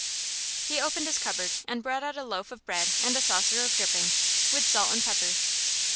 He opened his cupboard, and brought out a loaf of bread and a saucer of dripping, with salt and pepper.